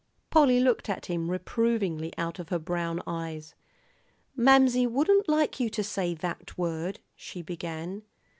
Polly looked at him reprovingly out of her brown eyes. "Mamsie wouldn't like you to say that word," she began.